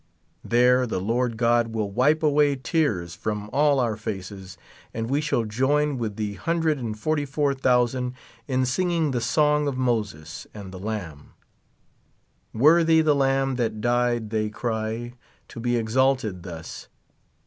There the Lord God will wipe a\^«ay tears from all our faces, and we shall join with the hundred and forty four thousand in singing the song of Moses and the Lamb : Worthy the Lamb that died, they cry, To be exalted thus